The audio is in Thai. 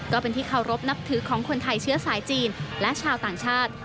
ก็เป็นที่เคารพนับถือของคนไทยเชื้อสายจีนและชาวต่างชาติ